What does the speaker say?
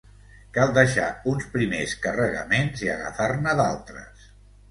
Cal deixar uns primers carregaments i agafar-ne d'altres.